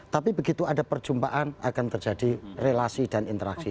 tapi begitu ada perjumpaan akan terjadi relasi dan interaksi